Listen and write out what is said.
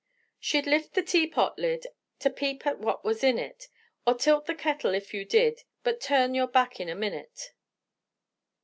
"She'd lift the teapot lid To peep at what was in it, Or tilt the kettle if you did But turn your back a minute."